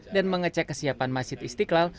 dan mengecek kesiapan masjid istiqlal